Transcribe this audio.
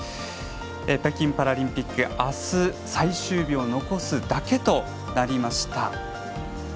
北京パラリンピックはあす最終日を残すだけとなりました。